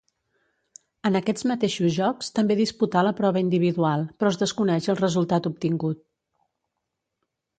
En aquests mateixos Jocs també disputà la prova individual, però es desconeix el resultat obtingut.